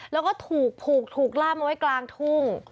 แล้วก็ถูกผูกถูกล่ามเอาไว้กลางทุ่ง